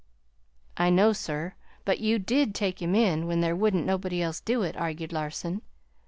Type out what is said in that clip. "I know, sir, but you DID take him in, when there wouldn't nobody else do it," argued Larson.